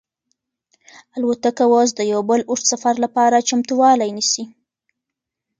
الوتکه اوس د یو بل اوږد سفر لپاره چمتووالی نیسي.